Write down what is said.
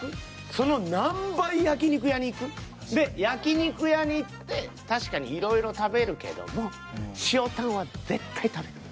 その何倍焼き肉屋に行く？で焼き肉屋に行って確かにいろいろ食べるけども塩タンは絶対食べる。